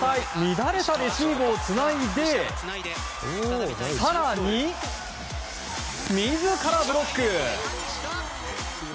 乱れたレシーブをつないで更に、自らブロック！